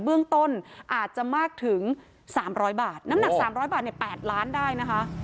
เบื้องต้นอาจจะมากถึงสามร้อยบาทน้ำหนักสามร้อยบาทเนี่ยแปดล้านได้นะคะ